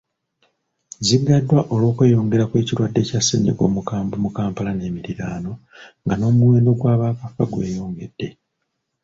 Ziggaddwa olw’okweyongera kw’ekirwadde kya ssennyiga omukambwemu Kampala n’emiriraano nga n’omuwendo gw’abaakafa gweyongedde.